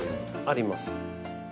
あります。